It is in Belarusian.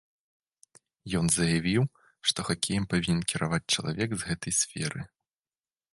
Ён заявіў, што хакеем павінен кіраваць чалавек з гэтай сферы.